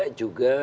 dan kedua juga oke